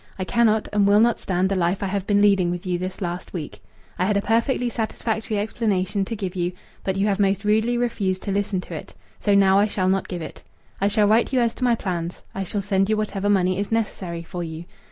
I cannot and will not stand the life I have been leading with you this last week. I had a perfectly satisfactory explanation to give you, but you have most rudely refused to listen to it. So now I shall not give it. I shall write you as to my plans. I shall send you whatever money is necessary for you.